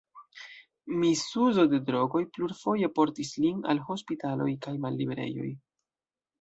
Misuzo de drogoj plurfoje portis lin al hospitaloj kaj malliberejoj.